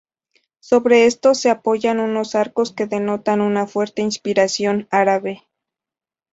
Sobre estos se apoyan unos arcos que denotan una fuerte inspiración árabe.